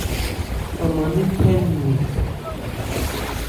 An man nɛ́n phɛ́ nnwɛ.